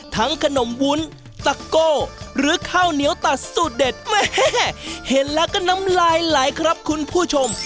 ขนมวุ้นตะโก้หรือข้าวเหนียวตัดสูตรเด็ดแม่เห็นแล้วก็น้ำลายไหลครับคุณผู้ชม